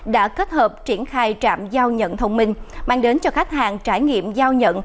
đã kết hợp triển khai trạm giao nhận thông minh mang đến cho khách hàng trải nghiệm giao nhận